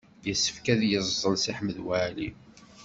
Yessefk ad yeẓẓel Si Ḥmed Waɛli.